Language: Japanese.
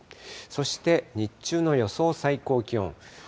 そして日中の予想最高気温。